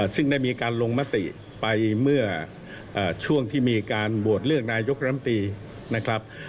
ซึ่งได้มีการลงมติไปเมื่อช่วงที่มีการโหวตเลือกนายกรัมตีนะครับ